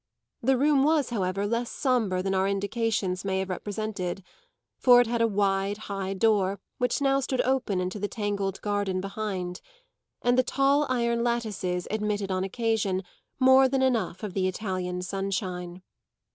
The room was, however, less sombre than our indications may have represented, for it had a wide, high door, which now stood open into the tangled garden behind; and the tall iron lattices admitted on occasion more than enough of the Italian sunshine.